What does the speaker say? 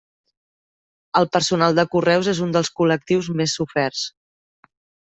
El personal de correus és un dels col·lectius més soferts.